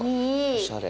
おしゃれ。